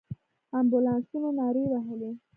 امبولانسونو نارې وهلې.